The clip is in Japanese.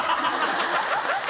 ハハハハ！